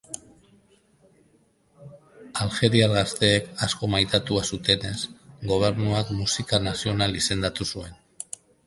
Aljeriar gazteek asko maitatua zutenez, gobernuak musika nazional izendatu zuen.